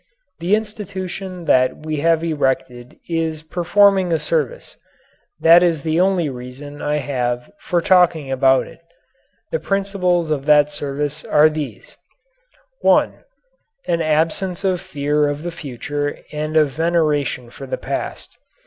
The institution that we have erected is performing a service. That is the only reason I have for talking about it. The principles of that service are these: 1. An absence of fear of the future and of veneration for the past.